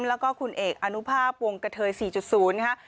แล้วก็คุณเอกอนุภาพวงกะเทย๔๐นะคะ